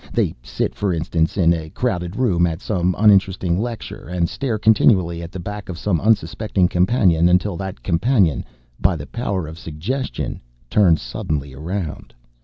They sit, for instance, in a crowded room at some uninteresting lecture, and stare continually at the back of some unsuspecting companion until that companion, by the power of suggestion, turns suddenly around.